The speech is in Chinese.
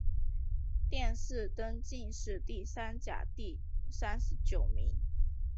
殿试登进士第三甲第三十九名。